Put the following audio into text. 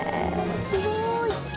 すごい。